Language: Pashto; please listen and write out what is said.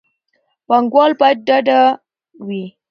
پانګوال باید ډاډه وي.